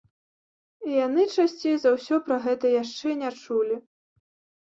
Яны, часцей за ўсё, пра гэта яшчэ не чулі.